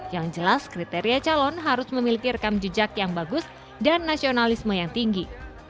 yang jelas kriteria calon harus memiliki rekam jejak yang bagus dan nasionalisme yang tinggi